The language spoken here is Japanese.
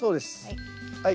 はい。